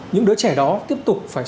những đứa trẻ đó tiếp tục phải